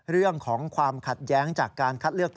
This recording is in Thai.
เรื่องของความขัดแย้งจากการคัดเลือก